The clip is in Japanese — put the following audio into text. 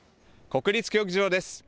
国立競技場です。